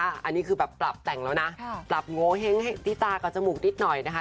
อันนี้คือแบบปรับแต่งแล้วนะปรับโงเห้งให้ที่ตากับจมูกนิดหน่อยนะคะ